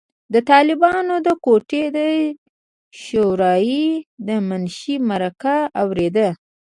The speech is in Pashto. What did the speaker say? د طالبانو د کوټې د شورای د منشي مرکه اورېده.